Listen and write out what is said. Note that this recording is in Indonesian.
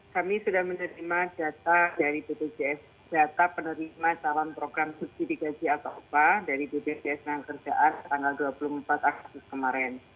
kami sudah menerima data dari bpjs data penerima calon program subsidi gaji atau upah dari bpjs tenaga kerjaan tanggal dua puluh empat agustus kemarin